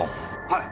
はい。